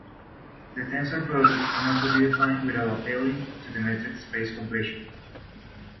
The tensor product can also be defined without appealing to the metric space completion.